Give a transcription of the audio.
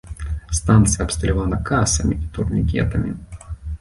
Станцыя абсталявана касамі і турнікетамі.